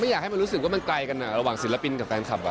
อยากให้มันรู้สึกว่ามันไกลกันระหว่างศิลปินกับแฟนคลับ